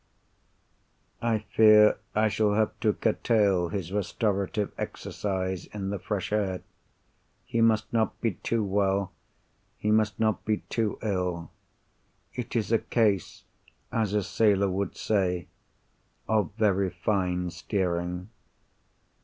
I fear I shall have to curtail his restorative exercise in the fresh air. He must not be too well; he must not be too ill. It is a case (as a sailor would say) of very fine steering.